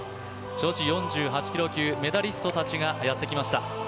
女子４８キロ級メダリストたちがやってきました。